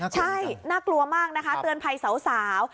ใช่น่ากลัวมากนะคะเตือนภัยสาว